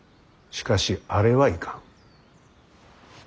しかしあれはいかん。